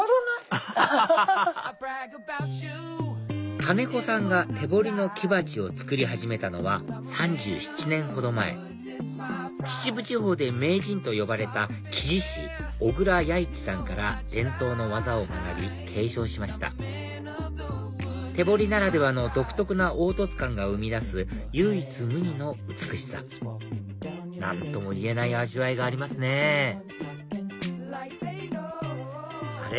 アハハハ金子さんが手彫りの木鉢を作り始めたのは３７年ほど前秩父地方で名人と呼ばれた木地師小椋弥市さんから伝統の技を学び継承しました手彫りならではの独特な凹凸感が生み出す唯一無二の美しさ何とも言えない味わいがありますねあれ？